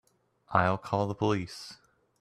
I'll call the police.